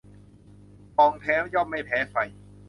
ทองแท้ย่อมไม่แพ้ไฟ